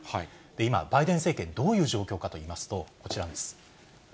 今、バイデン政権、どういう状況かといいますと、こちらです。